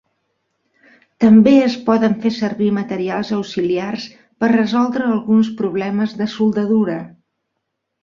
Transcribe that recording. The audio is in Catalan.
També es poden fer servir materials auxiliars per resoldre alguns problemes de soldadura.